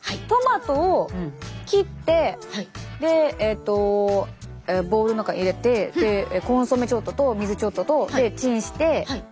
トマトを切ってボウルの中に入れてコンソメちょっとと水ちょっととでチンして。